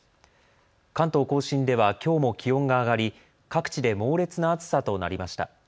関東甲信ではきょうも気温が上がり各地で猛烈な暑さとなりました。